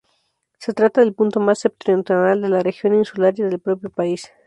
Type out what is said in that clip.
Se trata del punto más septentrional de la región insular y del propio país.